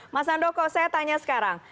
mas handoko saya tanya sekarang